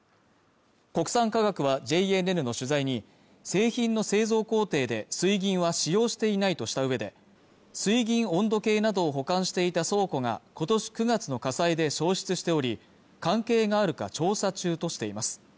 国産化学はＪＮＮの取材に製品の製造工程で水銀は使用していないとしたうえで水銀温度計などを保管していた倉庫が今年９月の火災で焼失しており関係があるか調査中としています